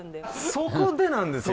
そこでなんですよ！